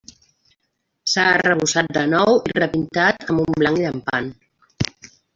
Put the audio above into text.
S'ha arrebossat de nou i repintat amb un blanc llampant.